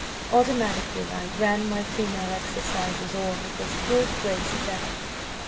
Automatically I 'ran my female exercises o'er' with as good grace as ever.